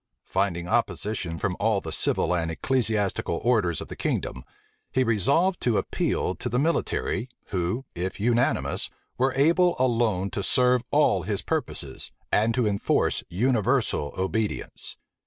Finding opposition from all the civil and ecclesiastical orders of the kingdom, he resolved to appeal to the military, who, if unanimous, were able alone to serve all his purposes, and to enforce universal obedience.